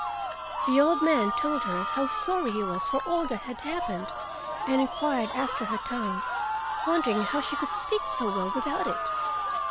The old man told her how sorry he was for all that had happened, and inquired after her tongue, wondering how she could speak so well without it.